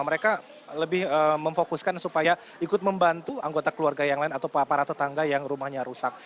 mereka lebih memfokuskan supaya ikut membantu anggota keluarga yang lain atau para tetangga yang rumahnya rusak